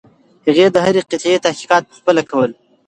هغه د هرې قطعې تحقیقات پخپله کول.